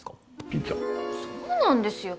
そうなんですよ。